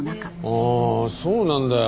ああそうなんだよ。